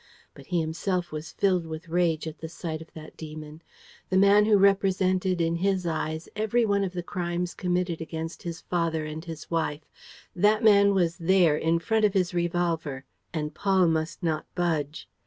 But he himself was filled with rage at the sight of that demon. The man who represented in his eyes every one of the crimes committed against his father and his wife, that man was there, in front of his revolver, and Paul must not budge!